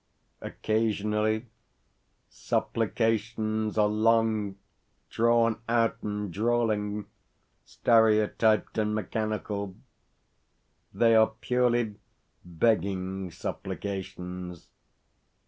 Occasionally supplications are long, drawn out and drawling, stereotyped and mechanical they are purely begging supplications.